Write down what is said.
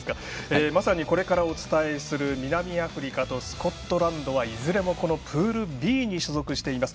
まさにこれからお伝えする南アフリカとスコットランドはいずれもプールＢに所属しています。